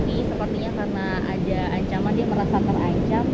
ini sepertinya karena ada ancaman dia merasa terancam